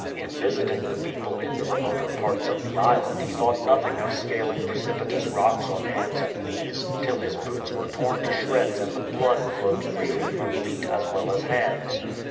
In visiting the people in the remoter parts of the island he thought nothing of scaling precipitous rocks on hands and knees, till his boots were torn to shreds and the blood flowed freely from feet as well as hands.